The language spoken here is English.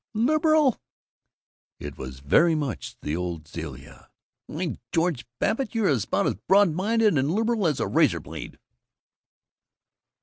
Liberal?" It was very much the old Zilla. "Why, George Babbitt, you're about as broad minded and liberal as a razor blade!"